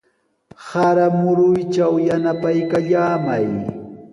Sara muruytraw yanapaykallamay.